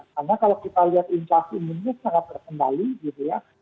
karena kalau kita lihat insafi indonesia sangat berkendali gitu ya